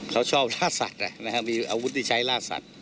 เขาชอบลาดสัตว์นะครับมีอาวุธที่ใช้ลาดสัตว์